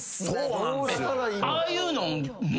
ああいうの。